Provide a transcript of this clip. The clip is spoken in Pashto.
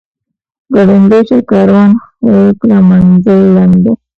ګړندی شه کاروان هی کړه منزل لنډ دی.